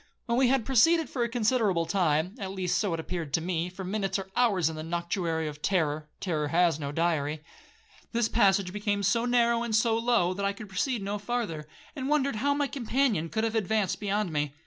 When we had proceeded for a considerable time, (at least so it appeared to me, for minutes are hours in the noctuary of terror,—terror has no diary), this passage became so narrow and so low, that I could proceed no farther, and wondered how my companion could have advanced beyond me.